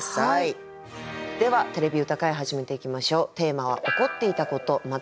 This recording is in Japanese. では「てれび歌会」始めていきましょう。